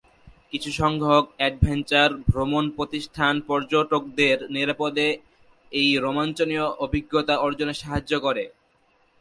কিছু সংখ্যক অ্যাডভেঞ্চার ভ্রমণ প্রতিষ্ঠান পর্যটকদের নিরাপদে এই রোমাঞ্চনীয় অভিজ্ঞতা অর্জনে সাহায্য করে।